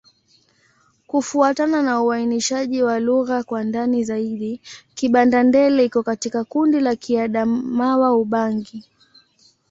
Kufuatana na uainishaji wa lugha kwa ndani zaidi, Kibanda-Ndele iko katika kundi la Kiadamawa-Ubangi.